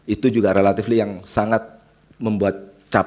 itu juga relatively yang sangat membuat capek